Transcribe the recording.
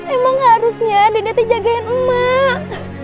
emang harusnya dede dede jagain emak